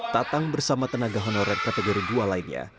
tatang bersama tenaga honorer kategori dua lainnya